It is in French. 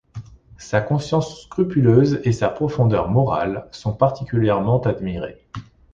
Sa conscience scrupuleuse et sa profondeur morale sont particulièrement admirées.